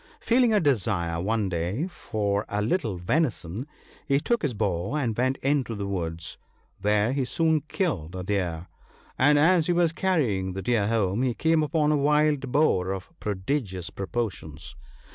Feeling a desire one day for a little venison, he took his bow, and went into the woods ; where he soon killed a deer. As he was carry ing the deer home, he came upon a wild boar of pro digious proportions.